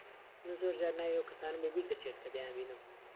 من زۆر جار ناوی ئەو کەسانەم لەبیر دەچێت کە دەیانبینم.